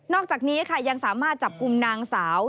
อกจากนี้ค่ะยังสามารถจับกลุ่มนางสาว